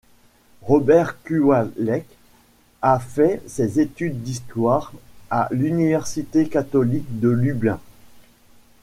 Robert Kuwałek a fait ses études d'histoire à l'Université catholique de Lublin.